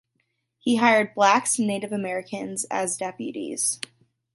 He hired blacks and Native Americans as deputies.